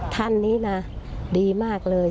ท่านนี้นะดีมากเลย